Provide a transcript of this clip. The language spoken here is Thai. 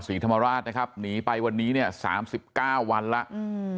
ศรีธรรมาราชนะครับหนีไปวันนี้เนี่ย๓๙วันแล้ว